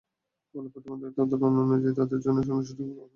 ফলে প্রতিবন্ধিতার ধরন অনুযায়ী তাঁদের জন্য কোনো সঠিক পরিকল্পনা করা যাচ্ছে না।